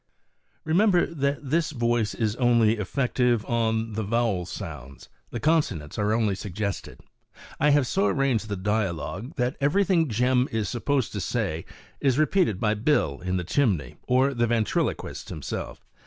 Remember that this voice is only effective on. the vowel sounds, the consonants are only suggested. I have so arranged the dia logue that everything Jem is supposed to say is repeated by Bill in the chimney or the ventriloquist himself.